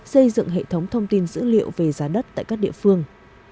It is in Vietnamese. xây dựng hệ thống thông tin dữ liệu về giá đất tại các địa phương